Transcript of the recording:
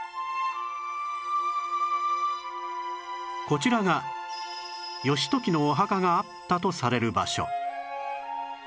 こちらが義時のお墓があったとされる場所